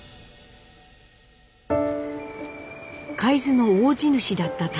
海津の大地主だった舘